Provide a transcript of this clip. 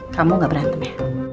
kamu ga berantem ya